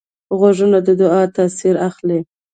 غوږونه د دعا تاثیر اخلي